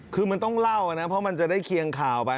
คือมันต้องเล่านะเพราะมันจะได้เคียงข่าวไป